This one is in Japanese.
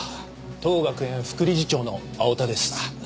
当学園副理事長の青田です。